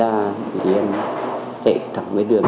em nói em nằm được thì em chạy thẳng với đường